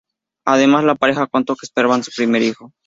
Además la pareja contó que esperaban su primer hijo.